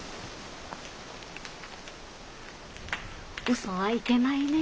ウソはいけないね